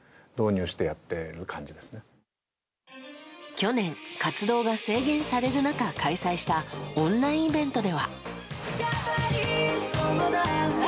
去年、活動が制限される中開催したオンラインイベントでは。